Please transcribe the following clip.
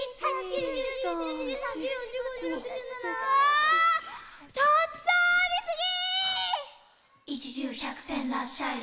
ああたくさんありすぎ！